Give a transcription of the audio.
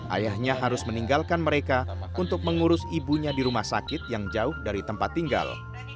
ayahnya harus meninggalkan mereka untuk mengurus ibunya di rumah sakit yang jauh dari tempat tinggal